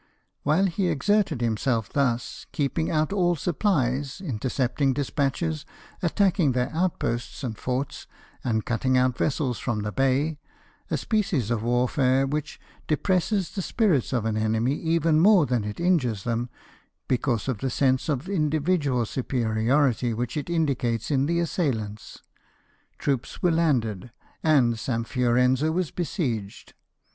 While he exerted himself thus, keeping out all supplies, intercepting despatches^ attacking their outposts and forts, and cutting out vessels from the bay — a species of warfare which depresses the spirit of an enemy even more than it injures them, because of the sense of individual superiority which it indicates in the assailants — troops were landed, and St. Fiorenzo was besieged.